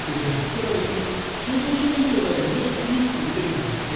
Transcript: これは別に中等症以上だけ診ればいいと言っているのではなくて。